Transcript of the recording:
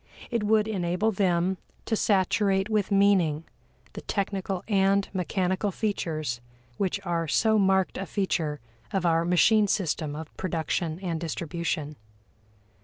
It would enable them to saturate with meaning the technical and mechanical features which are so marked a feature of our machine system of production and distribution.